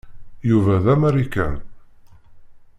Yuba d amarikan.